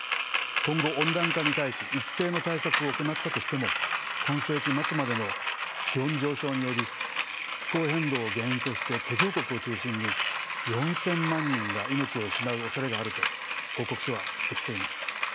今後温暖化に対し一定の対策を行ったとしても今世紀末までの気温上昇により気候変動を原因として途上国を中心に４，０００万人が命を失うおそれがあると報告書は指摘しています。